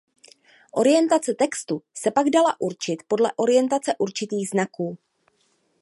Orientace textu se pak dala určit podle orientace určitých znaků.